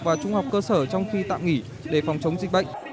và trung học cơ sở trong khi tạm nghỉ để phòng chống dịch bệnh